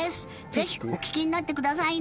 ぜひお聴きになってくださいね。